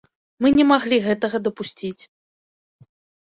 Мы не маглі гэтага дапусціць.